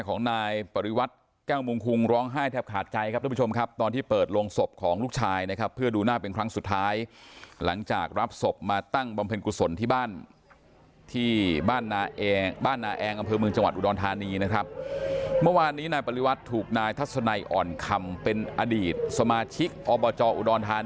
ของนายปริวัติแก้วมุงคุงร้องไห้แทบขาดใจครับทุกผู้ชมครับตอนที่เปิดโรงศพของลูกชายนะครับเพื่อดูหน้าเป็นครั้งสุดท้ายหลังจากรับศพมาตั้งบำเพ็ญกุศลที่บ้านที่บ้านนาเองบ้านนาแองอำเภอเมืองจังหวัดอุดรธานีนะครับเมื่อวานนี้นายปริวัติถูกนายทัศนัยอ่อนคำเป็นอดีตสมาชิกอบจอุดรธานี